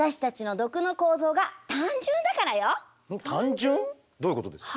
単純？どういうことですか？